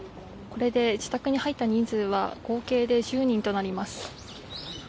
これで自宅に入った人数は合計で１０人となります。